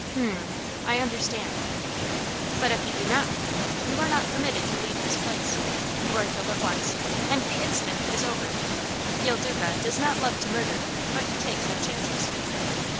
"H m m. I understand." "But if you do not pay, you are not permitted to leave this place. You are killed at once, and the incident is over. Il Duca does not love to murder, but he takes no chances."